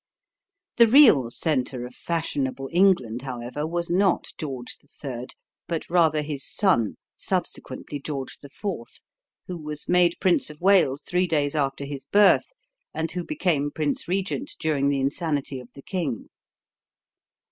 The real center of fashionable England, however, was not George III., but rather his son, subsequently George IV., who was made Prince of Wales three days after his birth, and who became prince regent during the insanity of the king.